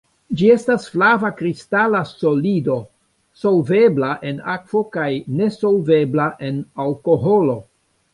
Ĝi estas flava kristala solido, solvebla en akvo kaj nesolvebla en alkoholo.